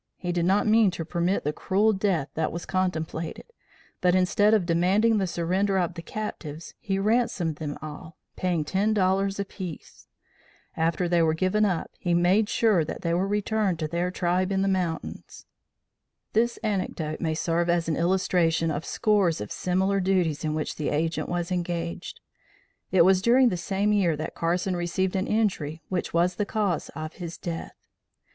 He did not mean to permit the cruel death that was contemplated, but instead of demanding the surrender of the captives, he ransomed them all, paying ten dollars a piece. After they were given up, he made sure that they were returned to their tribe in the mountains." This anecdote may serve as an illustration of scores of similar duties in which the agent was engaged. It was during the same year that Carson received an injury which was the cause of his death.